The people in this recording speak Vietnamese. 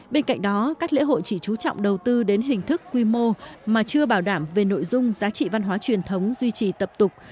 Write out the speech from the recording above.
bên cạnh đó các lễ hội chỉ trú trọng đầu tư đến hình thức quy mô mà chưa bảo đảm về nội dung giá trị văn hóa truyền thống duy trì tập tục